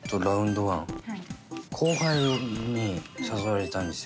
後輩に誘われたんですよ。